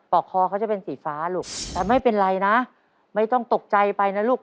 อกคอเขาจะเป็นสีฟ้าลูกแต่ไม่เป็นไรนะไม่ต้องตกใจไปนะลูก